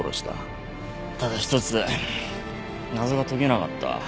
ただ１つ謎が解けなかった。